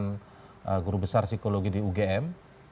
ini adalah ujar besar psikologi di ugm